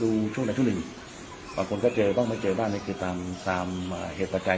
หลายช่วงในช่วงหนึ่งคนต้องมาเจอแล้วติดตามเหตุจ้าย